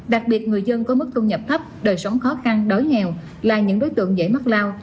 đặc biệt người dân có mức thu nhập thấp đời sống khó khăn đói nghèo là những đối tượng dễ mắc lao